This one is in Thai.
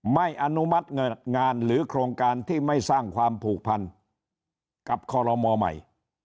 อนุมัติงานหรือโครงการที่ไม่สร้างความผูกพันกับคอลโลมอใหม่